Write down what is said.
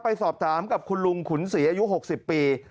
ไปสอบถามกับคุณลุงขุนศรีอายุ๖๐ปี